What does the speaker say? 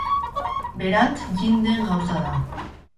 Berant jin den gauza da.